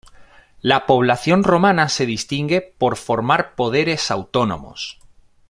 La población romana se distingue por formar poderes autónomos.